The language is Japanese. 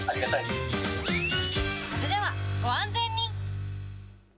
それではご安全に。